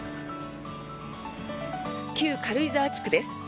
旧軽井沢地区です。